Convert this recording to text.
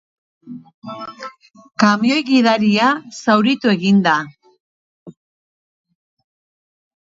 Kamioi gidaria zauritu egin da.